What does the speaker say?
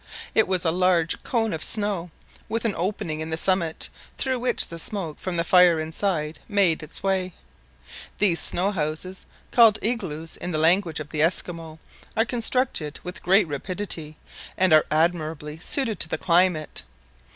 It was a large cone of snow, with an opening in the summit, through which the smoke from the fire inside made its way. These snow houses, called igloos in the language of the Esquimaux, are constructed with great rapidity, and are admirably suited to the climate.